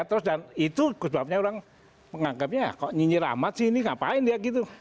terus dan itu sebabnya orang menganggapnya ya kok nyinyir amat sih ini ngapain dia gitu